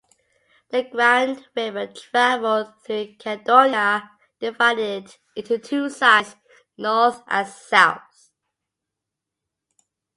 The Grand River traveled through Caledonia dividing it into two sides, North and South.